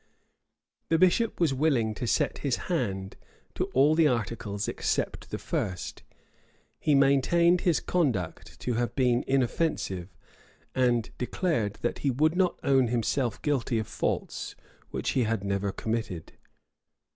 The bishop was willing to set his hand to all the articles except the first: he maintained his conduct to have been inoffensive; and declared, that he would not own himself guilty of faults which he had never committed.